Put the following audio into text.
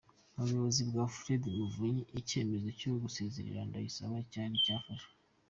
Ku buyobozi bwa Fred Muvunyi icyemezo cyo gusezerera Ndayisaba cyari cyarafashwe.